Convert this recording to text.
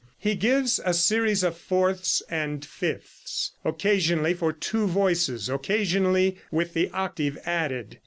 He gives a series of fourths and of fifths, occasionally for two voices, occasionally with the octave added.